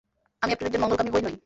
আমি আপনার একজন মঙ্গলকামী বৈ নই।